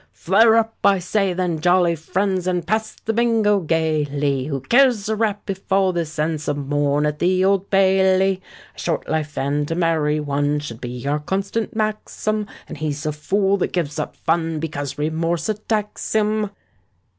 Flare up, I say, then, jolly friends, And pass the bingo gaily; Who cares a rap if all this ends Some morn at the Old Bailey? "A short life and a merry one" Should be our constant maxim; And he's a fool that gives up fun Because remorse attacks him.